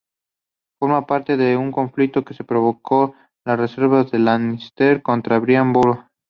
Forma parte de un conflicto que provocó las revueltas de Leinster contra Brian Boru.